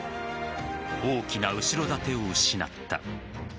大きな後ろ盾を失った。